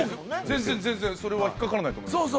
全然全然それは引っかからないと思います